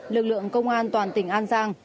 lực lượng công an toàn tỉnh an giang